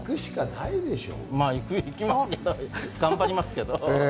頑張りますけど。